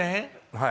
はい。